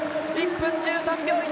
１分１３秒１９！